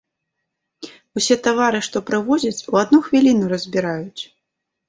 Усе тавары, што прывозяць, у адну хвіліну разбіраюць.